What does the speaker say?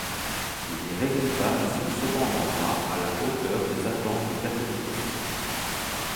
Les résultats ne sont cependant pas à la hauteur des attentes du Catholicos.